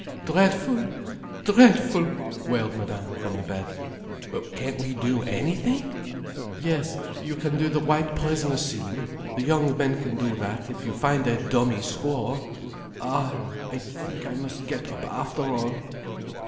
"Dreadful! Dreadful!" wailed Madame from the bed. "But can't we do anything?" "Yes—you can do the White Prisoner scene—the young men can do that, if you find a dummy squaw. Ah, I think I must get up after all."